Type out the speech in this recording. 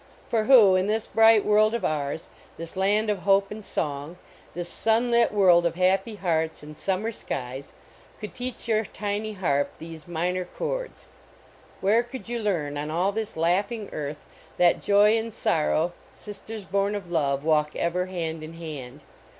For who, in this bright world of ours, this land of hope and song, this sunlit world of happy hearts and summer skies, could teach your tiny harp these minor chords? Where could you learn, on all this laughing earth, that Joy and Sorrow, sisters born of Love, walk ever hand in hand?